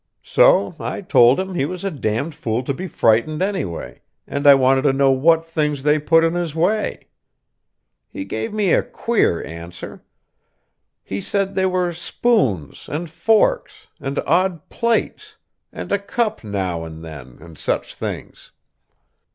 So I told him he was a d d fool to be frightened, anyway, and I wanted to know what things they put in his way. He gave me a queer answer. He said they were spoons and forks, and odd plates, and a cup now and then, and such things.